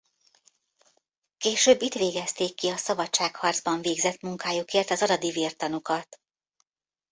Később itt végezték ki a szabadságharcban végzett munkájukért az aradi vértanúkat.